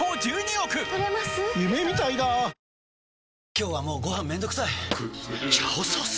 今日はもうご飯めんどくさい「炒ソース」！？